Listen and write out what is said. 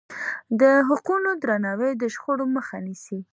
د حقونو درناوی د شخړو مخه نیسي.